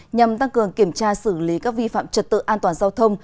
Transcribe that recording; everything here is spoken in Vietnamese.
nhằm tăng cường kiểm tra xử lý các vi phạm trật tự an toàn giao thông